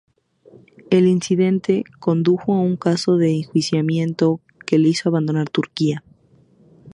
El incidente condujo a un caso de enjuiciamiento que le hizo abandonar Turquía.